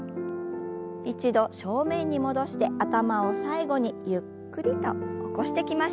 一度正面に戻して頭を最後にゆっくりと起こしてきましょう。